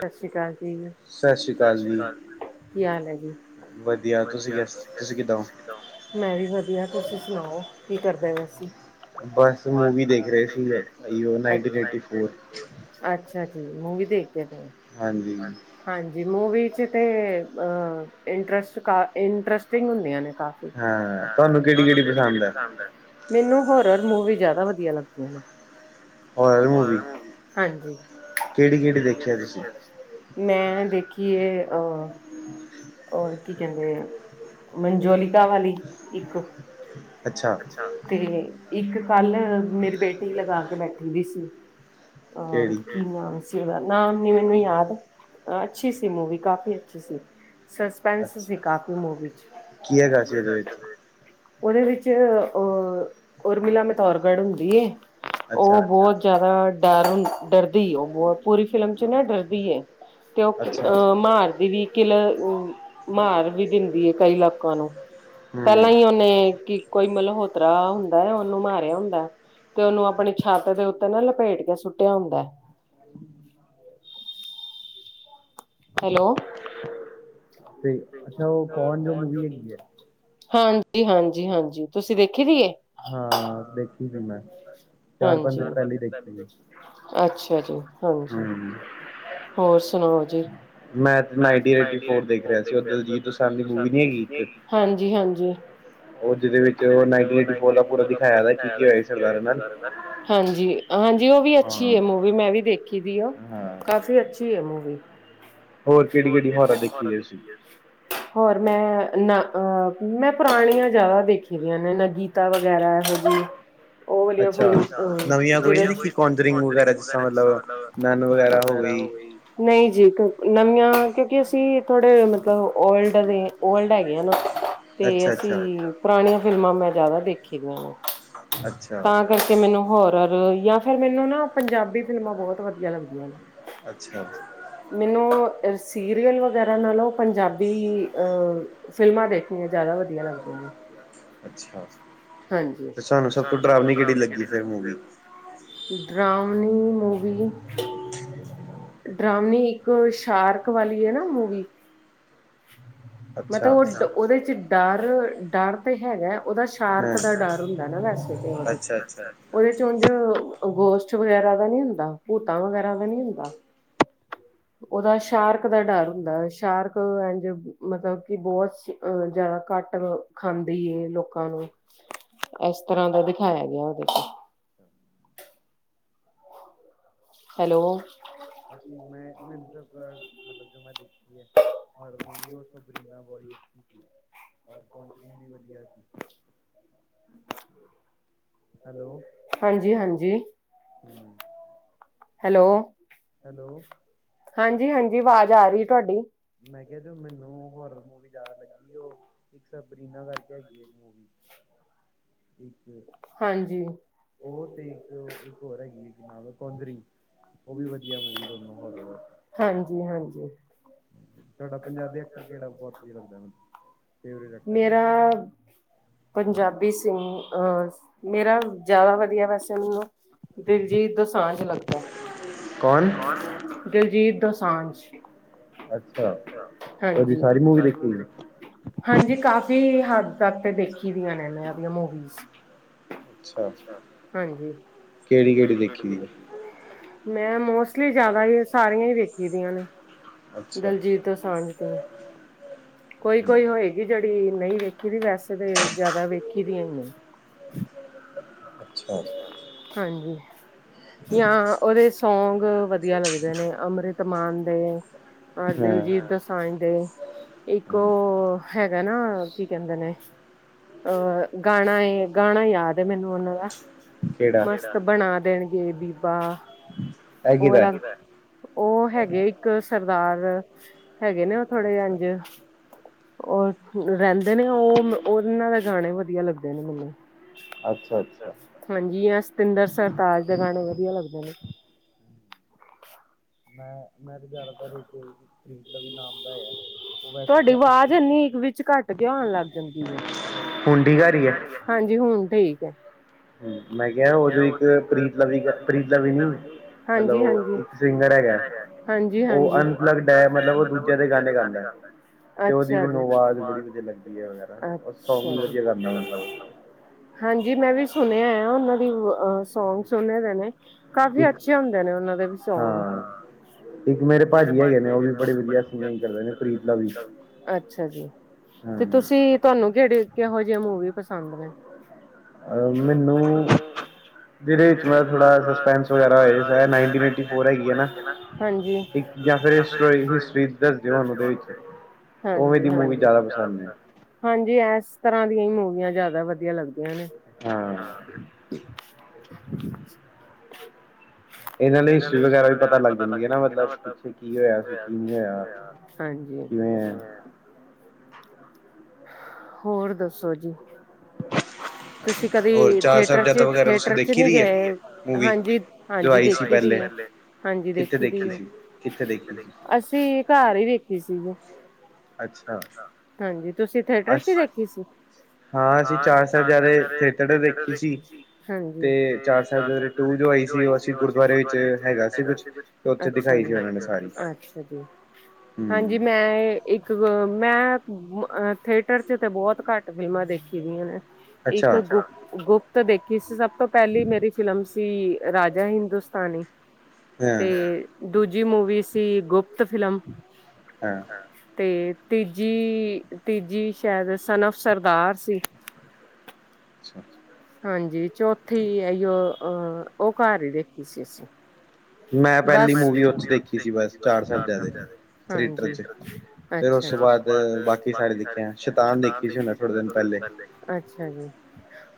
ਸਤ ਸ੍ਰੀ ਅਕਾਲ ਜੀ, ਸ਼੍ਰੀ ਅਕਾਲ ਜੀ ਕੀ ਹਾਲ ਹੈ ਜੀ ਵਧੀਆ ਤੁਸੀਂ, ਤੁਸੀਂ ਕਿੱਦਾਂ ਹੋ ਮੈਂ ਵੀ ਵਧੀਆ ਤੁਸੀਂ ਸੁਣਾਓ ਕੀ ਕਰਦਾ ਪਏ ਸੀ ਬਸ ਮੂਵੀ ਦੇਖ ਰਹੇ ਸੀਏ the year nineteen ninety four ਅੱਛਾ ਜੀ ਮੂਵੀ ਦੇਖਦੇ ਪਏ ਹਾਂਜੀ ਹਾਂਜੀ ਮੂਵੀ ਚ ਤੇ ਅ ਇੰਟਰਸਟ ਕਾ ਇੰਟਰਸਟਿੰਗ ਹੁੰਦੀਆਂ ਨੇ ਕਾਫੀ ਹਾਂ, ਤੁਹਾਨੂੰ ਕਿਹੜੀ- ਕਿਹੜੀ ਪਸੰਦ ਹੈ ਮੈਨੂੰ ਹੋਰਨ ਮੂਵੀ ਜਿਆਦਾ ਵਧੀਆ ਲਗਦੀ, ਹੋਰਨ ਮੂਵੀ ਹਾਂਜੀ ਕਿਹੜੀ- ਕਿਹੜੀ ਦੇਖਿਆ ਤੁਸੀਂ ਮੈਂ ਦੇਖੀਏ ਅ ਔਰ ਕੀ ਕਹਿੰਦੇ ਮਨਜੋਲਿਕਾ ਵਾਲੀ ਇੱਕ ਅੱਛਾ ਤੇ ਇੱਕ ਕੱਲ ਮੇਰੀ ਬੇਟੀ ਲਗਾ ਕੇ ਬੈਠੀ ਦੀ ਸੀ ਔਰ ਕੀ ਨਾਮ ਸੀ ਨਾਮ ਨੀ ਮੈਨੂੰ ਯਾਦ, ਅੱਛੀ ਸੀ, ਮੂਵੀ ਕਾਫੀ ਅੱਛੀ ਸੀ। ਸਸਪੈਂਸ ਸੀ, ਕਾਫੀ ਮੂਵੀ ਵੀਚ, ਓਦੇ ਵਿਚ ਤੇ ਔ ਉਰਮਿਲਾ ਮਿਤੌਰਗੜ, ਹੁੰਦੀ ਐ। ਉਹ ਬਹੁਤ ਜਿਆਦਾ। ਡਰ ਹੁੰਦਾ। ਡਰਦੀ ਐਂ, ਉਹ ਬਹੁਤ। ਪੂਰੀ ਫਿਲਮ ਚ ਨਾ ਡਰਦੀ ਐਂ। ਤੇ ਉਹ, ਅਹ ਮਾਰ ਦੀ ਵੀ। ਕਿਲਰ, ਮਰਦੀ ਵੀ ਦਿੰਦੀ ਹੈ। ਕਈ ਲੋਕਾਂ ਨੂੰ, ਪਹਿਲਾਂ ਹੀ ਉਹਨੇ, ਕਿ ਕੋਈ ਮਤਲਹੋਤਰਾ, ਹੁੰਦਾ ਹੈ। ਉਹਨੂੰ ਮਾਰਿਆ ਹੁੰਦਾ। ਤੇ ਉਹਨੂੰ, ਆਪਣੀ ਛਾਤ ਦੇ, ਉੱਤੇ ਨਾ ਲਪੇਟ ਕੇ ਸੁੱਟਿਆ ਹੁੰਦਾ। ਹੈਲੋ। ਅੱਛਾ। ਉਹ, ਕੌਨ ਜੋ ਮੂਵੀ ਹੈਗੀ ਏ। ਹਾਂਜੀ- ਹਾਂਜੀ, ਹਾਂਜੀ। ਤੁਸੀਂ ਦੇਖੀ ਦੀ ਏ। ਹਾਂ। ਦੇਖੀ ਸੀ ਮੈਂ। ਹਾਂਜੀ, ਅੱਛਾ ਜੀ, ਹਾਂਜੀ। ਹੋਰ ਸੁਣਾਓ ਜੀ? ਮੈਂ ਨਾਈਟ ਲੇਟ, ਦੇਖ ਰਿਹਾ ਸੀ। ਹਾਂਜੀ- ਹਾਂਜੀ। ਉਹ, ਜਿਹਦੇ ਵਿੱਚ, ਓਹ ਨਾਨਟੀ, ਏਟੀ ਫੋਰ ਦਾ, ਪੂਰਾ ਹਾਂਜੀ, ਹਾਂਜੀ। ਉਹ ਵੀ, ਅਛੀ ਹੈ, ਬਹੁਤ। ਮੈਂ ਵੀ, ਦੇਖੀ ਦੀ ਆ। ਕਾਫ਼ੀ ਅੱਛੀ ਆ ਮੂਵੀ। ਹੋਰ, ਕਿਹੜੀ- ਕਿਹੜੀ, ਹੋਰਰ ਦੇਖੀ ਸੀਂ। ਹੋਰ ਮੈਂ, ਨਾ ਅਹ। ਮੈਂ ਪੁਰਾਣੀਆਂ ਜ਼ਿਆਦਾ, ਦੇਖੀ ਦੀਆਂ ਨੇ। ਨਾ ਗੀਤਾ, ਵਗੈਰਾ। ਇਹੋ ਜਿ ਹ [unintelligible] ਅੱਛਾ। ਨਵੀਆਂ ਕੋਈ ਨੀ ਦੇਖੀ, ਕੋਂਦਰਿੰਗ ਵਗੈਰਾ ਜਿਸ ਤਰਾਂ ਮਤਲਬ, ਨਨ ਵਗੈਰਾ ਹੋ ਗਈ। ਨਹੀਂ ਜੀ। ਨਵੀਆਂ, ਕਿਉਂਕਿ ਅਸੀਂ ਥੋੜੇ, ਮਤਲਬ ਓਲਡ ਦੇ ਓਲਡ ਹੈਗੇ ਆ ਨਾ। ਤੇ ਅਸੀਂ, ਪੁਰਾਣੀਆਂ ਫਿਲਮਾਂ। ਮੈਂ ਜ਼ਿਆਦਾ ਦੇਖੀ ਦੀਆਂ। ਤਾਂ ਕਰਕੇ। ਕਿ ਮੈਨੂੰ ਹੋਰਰ। ਜਾਂ ਫੇਰ ਮੈਨੂੰ, ਨਾ ਪੰਜਾਬੀ ਫਿਲਮਾਂ, ਬਹੁਤ ਵਧੀਆ ਲੱਗਦੀਆਂ ਨੇ। ਅੱਛਾ। ਮੈਨੂੰ, ਸੀਰੀਅਲ ਵਗੈਰਾ, ਨਾਲੋਂ ਪੰਜਾਬੀ ਫਿਲਮਾਂ ਦੇਖਣੀਆਂ, ਜ਼ਿਆਦਾ ਵਧੀਆ ਲੱਗਦੀਆਂ ਨੇ। ਅੱਛਾ, ਤੇ ਸਾਨੂੰ ਸਭ ਤੋਂ, ਡਰਾਵਣੀ ਕਿਹੜੀ, ਲੱਗੀ ਫੇਰ ਮੂਵੀ। ਡ੍ਰਾਵਣੀ ਮੂਵੀ। ਡ੍ਰਾਵਣੀ ਇੱਕ ਸ਼ਾਰਕ, ਵਾਲੀ ਹੈ ਨਾ। ਮੂਵੀ ਮਤਲਬ ਉਹ ਉਹਦੇ ਚ, ਡਰ, ਡਰ ਤੇ ਹੈਗਾ। ਉਹਦਾ ਸ਼ਾਰਕ, ਦਾ ਡਰ ਹੁੰਦਾ ਨਾ। ਵੈਸੇ ਤੇ ਉਹਦੇ ਚ। ਉਹਦੇ ਚ, ਉਝ ਗੋਸ਼ਤ ਵਗੈਰਾ, ਦਾ ਨਹੀਂ ਹੁੰਦਾ। ਭੂਤਾਂ ਵਗੈਰਾ ਦਾ ਨੀ ਹੁੰਦਾ। ਉਹਦਾ ਸ਼ਾਰਕ ਦਾ, ਡਰ ਹੁੰਦਾ। ਸ਼ਾਰਕ ਐਂ ਮਤਲਬ ਕਿ ਬਹੁਤ। ਅਹ ਜਿਆਦਾ, ਕਟ ਖਾਂਦੀ ਏ ਲੋਕਾਂ ਨੂੰ। ਇਸ ਤਰਾਂ ਦਾ, ਦਿਖਾਇਆ ਗਿਆ। ਉਹਦੇ ਚ। ਹੈਲੋ। ਮੈਂ, ਮੈਨੂੰ ਮਤਲਬ ਜੋ, ਮੈਂ ਦੇਖੀ ਹੈਰਰ ਮੂਵੀ। ਉਹ ਸਬ ਬੜੀ ਅੱਛੀ ਸੀ। ਔਰ ਕਾਊਂਟਰਿੰਗ ਵੀ ਵਧੀਆ ਸੀ। ਹ [inaudible] ਹਾਂਜੀ- ਹਾਂਜੀ। ਹੈਲੋ। ਹੈਲੋ। ਹਾਂਜੀ- ਹਾਂਜੀ, ਆਵਾਜ਼ ਆ ਰਹੀ ਤੁਹਾਡੀ। ਮੈਂ ਕਿਹਾ, ਜੋ ਮੈਨੂੰ ਹੋਰਰ, ਮੂਵੀ ਜ਼ਿਆਦਾ ਲੱਗੀ ਉਹ। ਇੱਕ ਸਬਰੀਨਾ, ਕਰਕੇ ਹੈਗੀ ਹੈ। ਇੱਕ ਮੂਵੀ। ਹਾਂਜੀ। ਉਹ ਤੇ ਇੱਕ। ਇੱਕ ਹੋਰ ਹੈਗੀ, ਨਾਮ ਹੈ ਕੋਂਦਰੀ। ਉਹ ਵੀ ਵਧੀਆ, ਮੂਵੀ ਦੋਨੂੰ ਹੋਰਰ। ਹਾਂਜੀ- ਹਾਂਜੀ। ਤੁਹਾਡਾ ਪੰਜਾਬੀ ਐਕਟਰ ਕਿਹੜਾ ਬਹੁਤ ਵਧੀਆ ਲੱਗਦਾ ਮੂੰਨੂੰ ਮੇਰਾ ਪੰਜਾਬੀ ਸਿੰਘ ਅਹ ਮੇਰਾ ਜ਼ਿਆਦਾ ਵਧੀਆ ਵੈਸੇ ਮੈਨੂੰ ਦਿਲ ਜੀਤ ਦੋਸਾਂਝ ਲੱਗਦਾ ਕੌਣ ਦਲਜੀਤ ਦੋਸਾਂਝ ਅੱਛਾ ਉਹ ਉਹਦੀ ਸਾਰੀ ਮੂਵੀ ਦੇਖੀ ਹਾਂਜੀ ਕਾਫੀ ਹੱਦ ਤੱਦ ਤੇ ਦੇਖੀ ਦੀਆਂ ਨੇ ਮੈਂਆਂ ਮੂਵੀਜ਼ ਅੱਛਾ ਹਾਂਜੀ ਕੇਹੜੀ ਕੇਹੜੀ ਦੇਖੀ ਏ, ਮੈ ਮੋਸਟਲੀ ਅਸਲੀ ਜਿਆਦਾ ਹੀ ਸਾਰੀਆਂ ਹੀ ਵੇਖੀ ਦੀਆਂ ਨੇ ਦਲਜੀਤ ਦੋਸਾਂਝ ਦੀਆਂ [unintelligible] ਕੋਈ ਕੋਈ ਹੋਏਗੀ ਜਿਹੜੀ ਨਹੀਂ ਵੇਖੀ ਦੀ ਵੈਸੇ ਤਾਂ ਜਿਆਦਾ ਵੇਖੀ ਦੀਆਂ ਹੀ ਨੇ ਅੱਛਾ ਹਾਂਜੀ ਜਾਂ ਉਹਦੇ ਸੌਂਗ ਵਧੀਆ ਲੱਗਦੇ ਨੇ ਅੰਮ੍ਰਿਤ ਮਾਨ ਦੇ ਅਰ ਦਿਲਜੀਤ ਦੱ ਸੰਝ ਦੇ ਇੱਕ ਉਹ ਹੈਗਾ ਨਾ ਕੀ ਕਹਿੰਦੇ ਨੇ ਅਹ ਗਾਣਾ ਏ ਗਾਣਾ ਯਾਦ ਮੈਨੂੰ ਉਹਨਾਂ ਦਾ ਮਸਤ ਬਣਾ ਦੇਣਗੇ ਬੀਬਾ ਉਹ ਵਾਲਾ ਉਹ ਹੈਗੇ ਇੱਕ ਸਰਦਾਰ ਹੈਗੇ ਨੇ ਉਹ ਥੋੜੇ ਅੰਜ ਉਹ ਰਹਿੰਦੇ ਨੇ ਉਹ ਉਹਨਾਂ ਦੇ ਗਾਣੇ ਵਧੀਆ ਲੱਗਦੇ ਨੇ ਮੈਨੂੰ ਹਾਂਜੀ ਆ ਸਤਿੰਦਰ ਸਰਤਾਜ ਦੇ ਗਾਣੇ ਵਧੀਆ ਲੱਗਦੇ ਨੇ ਮੈਂ ਮ ਜ਼ਿਆਦਾਤਰ ਇੱਕ ਪ੍ਰਰੀਦ ਦਾਵੀ ਨਾਮ ਦਾ ਆ ਤੁਹਾਡੀ ਆਵਾਜ਼ ਇਨੀ ਵਿਚ ਘੱਟ ਕੇ ਆਉਣ ਲਗ ਜਾਂਦੀ ਆ ਹਾਂਜੀ ਹੁਣ ਠੀਕ ਹੈ ਮੈਂ ਕਿਹਾ ਉਹ ਜੋ ਇੱਕ ਪ੍ਰੀਤ ਲਵੀ ਪ੍ਰੀਤ ਲਵੀ ਨੀ ਮਤਲਬ ਇੱਕ ਸਿੰਗਰ ਹੈਗਾ ਉਹ ਅਨਪਲਕਡ ਹੈ ਮਤਲਬ ਉਹ ਦੂਜਿਆਂ ਦੇ ਗਾਣੇ ਗਾਉਂਦਾ ਹੈ ਤੇ ਉਹਦੀ ਮੈਨੂੰ ਆਵਾਜ਼ ਬੜੀ ਵਧੀਆ ਲੱਗਦੀ ਹੈ ਵ ਸੌਗ ਵੀ ਵਧੀਆ ਗਾਦਾ ਮਤਲ ਹਾਂਜੀ ਮੈਂ ਵੀ ਸੁਣਿਆ ਆ ਉਹਨਾਂ ਦੀ ਅ ਸੌਂਗ ਸੁਨੇ ਦੇ ਨੇ ਕਾਫੀ ਅੱਛੇ ਹੁੰਦੇ ਨੇ ਉਹਨਾਂ ਦੇ ਵੀ ਸੌਗ ਕਿ ਮੇਰੇ ਭਾਜੀ ਹੈਗੇ ਨੇ ਉਹ ਵੀ ਬੜਾ ਵਧੀਆ ਫਿਲਮ ਕਰਦੇ ਨੇ ਅੱਛਾ ਜੀਂ ਤੇ ਤੁਸੀਂ ਤੁਹਾਨੂੰ ਕਿਹੜੇ ਕਿਹੋ ਜਿਹੇ ਮੂਵੀ ਪਸੰਦ ਨੇ ਅਹ ਮੈਨੂੰ ਜਿਹੜੀ ਟੈਂਟ ਵਗੈਰਾ ਨਾਇਨਟੀਣ ਏਟੀ ਫੋਰ ਐਕ ਹੈ ਨਾ ਹਾਂਜੀ ਹਾਂਜੀ ਹਾਂਜੀ ਹਾਂਜੀ ਇਸ ਤਰ੍ਹਾਂ ਦੀਆਂ ਹੀ ਮੂਵੀਆਂ ਜ਼ਿਆਦਾ ਵਧੀਆ ਲੱਗਦੀਆਂ ਹਾਂ [inaudible] ਇਹਨਾਂ ਲਈ ਹਿਸਟਰੀ ਵਗੈਰਾ ਵੀ ਪਤਾ ਲੱਗ ਜਾਂਦੀ ਹੈ ਨਾ ਮਤਲਬ ਪਿੱਛੇ ਕੀ ਹੋਇਆ ਸੀ ਕੀ ਨਹੀਂ ਹੋਇਆ ਹਾਂਜੀ ਹੋਰ ਦੱਸੋ ਜੀ ਤੁਸੀਂ ਕਦੀ ਥਰੇਟਰ ਚ ਥਰੇਟਰ ਚ ਨੀ ਗਏ ਹਾਂਜੀ ਹਾਂਜੀ ਦੇਖੀ ਦੀ ਆ ਹਾਂਜੀ ਦੇਖੀ ਦੀ ਅਸੀਂ ਘਰ ਹੀ ਦੇੇਖੀ ਸੀ ਹਾਂਜੀ ਅੱਛਾ ਤੁਸੀਂ ਥਰੇਟਰ ਚ ਦੇਖੀ ਸੀ ਚਾਰ ਸਾਹਿਬਜ਼ਾਦੇ ਥਰੇਟਰ ਦੇਖੀ ਸੀ ਤੇ ਚਾਰ ਸਾਹਿਬਜ਼ਾਦੇ ਟੁ ਜੋ ਆਈ ਸੀ ਅਸੀ ਗੁਰਦਆਰੇ ਵਿੱਚ ਹੈਗਾ ਸੀ ਕੁਛ ਤੇ ਓਥੇ ਦਿਖਾਈ ਸੀ ਉਨਾ ਨੇ ਹਾਂਜੀ ਮੈਂ ਮੈਂ ਇੱਕ ਮੈਂ ਥਰੇਟਰ ਚ ਤੇ ਬਹੁਤ ਘੱਟ ਫਿਲਮਾਂ ਦੇਖੀ ਦੀਆਂ ਨੇ ਇੱਕ ਗੁਪ ਗੁੱਪ ਤ ਦੇਖੀ ਸੀ ਸਭ ਤੋਂ ਪਹਿਲੀ ਮੇਰੀ ਫਿਲਮ ਸੀ ਰਾਜਾ ਹਿੰਦੁਸਤਾਨੀ ਤੇ ਦੂਜੀ ਮੂਵੀ ਸੀ ਗੁਪਤ ਫਿਲਮ ਹਾਂ ਤੇ ਤੀਜੀ-ਤੀਜੀ ਸ਼ਾਇਦ ਸਨ ਆਫ ਸਰਦਾਰ ਸੀ [inaudible] ਹਾਂਜੀ ਚੌਥੀ ਆ ਉਹਹ ਉਹ ਘਰ ਹੀ ਦੇਖੀ ਸੀ ਅਸੀਂ ਮੇ ਪਹਿਲੀ ਮੂਵੀ ਦੇਖੀ ਸੀ ਚਾਰ ਸਾਹਿਬਜ਼ਾਦੇ ਥਰੇਟਰ ਚ ਅੱਛਾ ਜੀ ਤੇ ਉਸ ਤੋਂ ਬਾਅਦ ਬਾਕੀ ਸਾਰੇ ਟਾਈਮ ਸ਼ੈਤਾਨ ਦੇਖੀ ਸੀ ਥੋੜ੍ਹੇ ਦਿਨ ਪਹਿਲੇ ਜੀ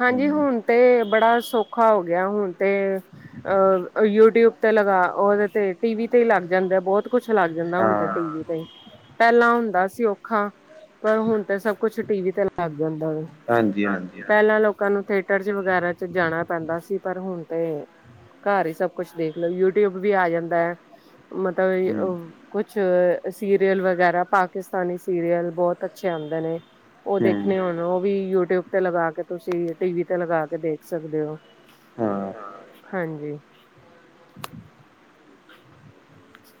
ਹਾਂਜੀ ਹੁਣ ਤੇ ਬੜਾ ਸੌਖਾ ਹੋ ਗਿਆ ਹੁਣ ਤੇ ਅਹ ਯੂਟਿਊਬ ਤੇ ਲਗਾ ਉਹਦੇ ਤੇ ਟੀ ਵੀ ਤੇ ਹੀ ਲੱਗ ਜਾਂਦੇ ਆ ਬਹੁਤ ਕੁੱਛ ਲਗ ਜਾਂਦਾ ਹੁਣ ਟੀਵੀ ਤੇ ਪਹਿਲਾਂ ਹੁੰਦਾ ਸੀ ਔਖਾ ਪਰ ਹੁਣ ਤੇ ਸਭ ਕੁਛ ਟੀ ਵੀ ਤੇ ਲੱਗ ਜਾਂਦਾ ਵ ਪਹਿਲਾਂ ਲੋਕ ਕਲ ਨੂੰ ਥਰੇਟਰ ਵਗੈਰਾ ਚ ਜਾਣਾ ਪੈਂਦਾ ਸੀ ਪਰ ਹੁਣ ਤੇ ਘਰ ਹੀ ਸਬ ਕੁਛ ਦੇਖ ਲਓ ਯੂਟਿਊਬ ਵੀ ਆ ਜਾਂਦਾ ਹੈ ਮਤਲਬ ਕੁਛ ਸੀਰੀਅਲ ਵਗੈਰਾ ਪਾਕਿਸਤਾਨੀ ਸੀਰੀਅਲ ਬਹੁਤ ਅੱਛੇ ਆਉਂਦੇ ਨੇ ਉਹ ਦੇਖਣੇ ਹੋਣ ਉਹ ਵੀ ਯੂਟਿਊਬ ਤੇ ਲਗਾ ਕੇ ਤੁਸੀ ਟੀਵੀ ਤੇ ਲਗਾ ਕੇ ਦੇਖ ਸਕਦੇ ਹੋ ਹਾਂਜੀ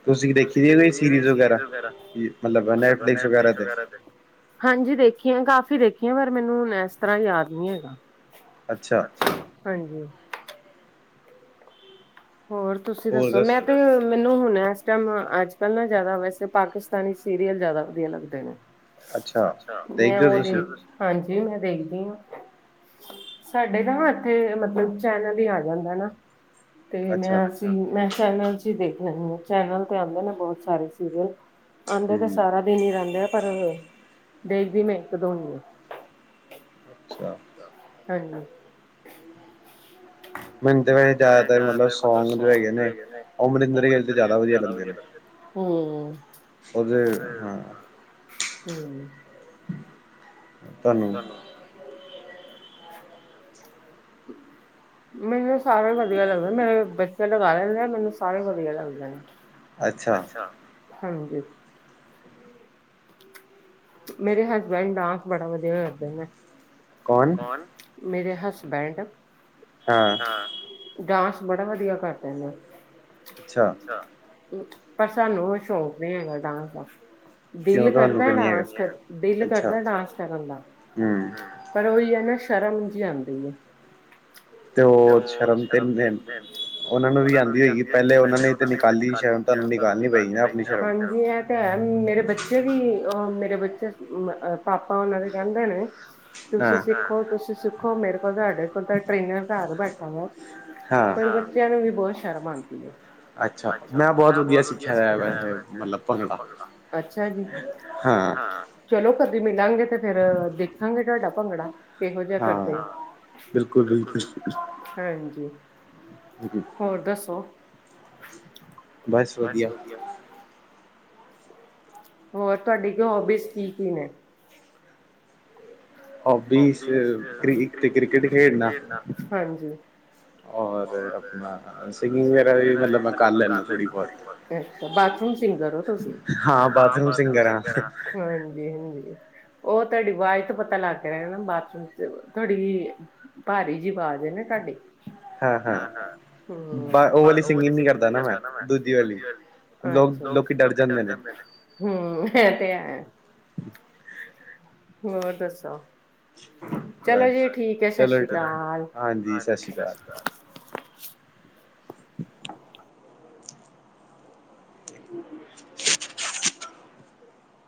ਤੁਸੀਂ ਦੇਖੀ ਦੀ ਹੋ ਕੋ ਸੀਰੀਜ਼ ਵਗੈਰਾ ਮਤਲਬ ਨੈਟਫਲਿਕਸ ਵਗੈਰਾ ਤੇ ਹਾਂਜੀ ਦੇਖੀਆਂ ਕਾਫ਼ੀ ਦੇਖੀਆਂ ਪਰ ਮੈਨੂੰ ਇਸ ਤਰ੍ਹਾਂ ਯਾਦ ਨਹੀਂ ਹੈਗਾ ਅੱਛਾ ਹਾਂਜੀ ਹੋਰ ਤੁਸੀਂ ਦੱਸੋ ਮੈਂ ਤੇ ਮੈਨੂੰ ਹੁਣ ਇਸ ਟਾਈਮ ਅੱਜ ਕੱਲ੍ਹ ਨਾ ਜ਼ਿਆਦਾ ਵੈਸੇ ਪਾਕਿਸਤਾਨੀ ਸੀਰੀਅਲ ਜ਼ਿਆਦਾ ਵਧੀਆ ਲੱਗਦੇ ਨੇ ਮੈਂ ਉਹ ਦੇਖ ਹਾਂਜੀ ਮੈਂ ਦੇਖਦੀ ਹਾਂ ਸਾਡੇ ਤਾਂ ਇੱਥੇ ਮਤਲਬ ਚੈਨਲ ਹੀ ਆ ਜਾਂਦਾ ਨਾ ਤੇ ਮੈਂ ਮੈਂ ਚੈਨਲ ਚ ਹੀ ਦੇਖ ਲੈਂਣੀ ਹਾਂ ਚੈਨਲ ਤੇ ਆਉਂਦੇ ਨੇ ਬਹੁਤ ਸਾਰੇ ਸੀਰੀਅਲ ਆਉਂਦੇ ਤਾਂ ਸਾਰਾ ਦਿਨ ਹੀ ਰਹਿੰਦੇ ਆ ਪਰ ਦੇਖਦੀ ਮੈਂ ਇੱਕ ਦੋ ਹਾਂ ਅੱਛਾ ਹਾਜੀ ਮਨ ਵੈਸੇ ਜ਼ਿਆਦਾਤਰ ਮਤਲਬ ਸੌਂਗ ਜੋ ਹੈਗੇ ਨੇ ਉਹ ਮਨਿਦਰ ਗੀਲ ਤੇ ਜ਼ਿਆਦਾ ਵਧੀਆ ਲੈਗਦੇ ਨੇ ਹਮ ਉਹਦੇ ਹਾਂ ਹਮ ਤੁਹਨੂੰ ਹਮ ਮੈਨੂੰ ਸਾਰੇ ਵਧੀਆ ਲੱਗਦੇ ਮੇਰੇ ਬੱਚੇ ਲਗਾ ਲੈਂਦੇ ਆ ਮੈਨੂੰ ਸਾਰੇ ਵਧੀਆ ਲੱਗਦੇ ਨੇ ਅਾ ਹਾਂਜੀ ਮੇਰੇ ਹਸਬੈਂਡ ਡਾਂਸ ਬੜਾ ਵਧੀਆ ਕਰਦੇ ਨੇ ਮੇਰੇ ਹਸਬੈਂਡ ਹਾਂ ਡਾਂਸ ਬੜਾ ਵਧੀਆ ਕਰਦਾਦਾ ਪਰ ਸਾਨੂੰ ਉਹ ਸ਼ੌਕ ਨੀ ਹੈਗਾ ਡਾਂਸ ਦਾ ਦਿਲ ਕਰਦਾ ਡਾਂਸ ਕਰ ਦਿਲ ਕਰਦਾ ਡਾਂਸ ਕਰਨ ਦਾ ਪਰ ਉਹੀ ਹੈ ਨਾ ਸ਼ਰਮ ਜ ਆਉਂਦੀ ਆ [inaudible] ਤੇ ਉਹ ਸ਼ਰਮ ਤਿੰਨ ਦਿਨ ਉਹਨਾ ਨੂੰ ਵੀ ਆਉਂਦੀ ਹੋਏਗੀ ਪਹਿਲੇ ਉਹਨਾਂ ਨੇ ਨਿਕਾਲੀ ਕਰਨ ਦੀ ਗੱਲ ਨੀ ਪਈ ਤੇ ਹੈ ਮੇਰੇ ਬੱਚੇ ਵੀ ਅ ਮੇਰੇ ਬੱਚੇ ਪਾਪਾ ਉਹਨਾਂ ਦੇ ਕਹਿੰਦੇ ਨੇ ਤੁਸੀਂ ਸਿੱਖੋ, ਤੁਸੀਂ ਸਿੱਖੋ ਮੇਰੇ ਕੋਲ ਤੁਹਾਡੇ ਕੋਲ ਤਾਂ ਟ੍ਰੇਨਰ ਘਰ ਬੈਠਾ ਵਾ ਪਰ ਬੱਚਿਆਂ ਨੂੰ ਵੀ ਬਹੁਤ ਸ਼ਰਮ ਆਉਂਦੀ ਹੈ ਅੱਛਾ, ਮੈਂ ਬਹੁਤ ਵਧੀਆ ਸਿੱਖਿਆ ਹੋਇਆ ਹੈ, ਭੰਗੜਾ ਹਾਂ, ਚਲੋ ਕਦੀ ਮਿਲਾਂਗੇ ਤੇ ਫੇਰ ਦੇਖਾਂਗੇ ਤੁਹਾਡਾ ਭੰਗੜਾ ਕਿਹੋ ਜਿਹਾ ਕਰਦੇ ਆ, ਬਿਲਕੁਲ- ਬਿਲਕੁਲ ਹਾਂਜੀ ਹੋਰ ਦੱਸੋ ਬਸ ਵਧੀਆ ਹੋਰ ਤੁਹਾਡੀੇ ਹੋਬੀਜ਼ ਕੀ- ਕੀ ਨੇ? ਹੋਬੀਜ ਕ੍ਰ ਕ੍ਰਿਕਟ ਖੇਡਣਾ ਔਰ ਆਪਣਾ ਸਿੰਗਿੰਗ ਵਗੈਰਾ ਵੀ ਮਤਲਬ ਮੈਂ ਕਰ ਲੈਂਦਾ ਥੋੜ੍ਹੀ ਬਹੁਤ ਅ ਬਾਰੂਮ ਸਿੰਗਰ ਹੋ ਤੁਸੀਂ, ਹਾਂ ਬਾਰੂਮ ਸਿੰਗਰ ਹਾਂ ਹਾਂਜੀ- ਹਾਂਜੀ ਉਹ ਤੁਹਾਡੀ ਆਵਾਜ਼ ਤੋਂ ਪਤਾ ਪਤਾ ਲੱਗ ਰਿਹਾ ਬਾਥਰੂਮ ਚ, ਥੋੜੀ ਭਾਰੀ ਜਿਹੀ ਆਵਾਜ਼ ਨਾ ਤੁਹਾਡੀ ਹਾਂ- ਹਾਂ ਪਰ ਉਹ ਵਾਲੀ ਸਿੰਗਿੰਗ ਨੀ ਕਰਦਾ ਨਾ ਮੈਂ ਦੂਜੀ ਵਾਲੀ ਲੋਕ, ਲੋਕੀ ਡਰ ਜਾਂਦੇ ਨੇ ਹਮ ਇਹ ਤੇ ਹੈ, ਹੋਰ ਦੱਸੋ ਚਲੋ ਜੀ ਠੀਕ ਹੈ ਸਤਿ ਸ੍ਰੀ ਅਕਾਲ, ਸਤਿ ਸ੍ਰੀ ਅਕਾਲ। [inaudible] [inaudible]